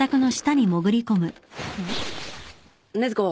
禰豆子。